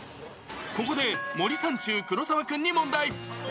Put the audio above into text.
ここで森三中・黒沢君に問題。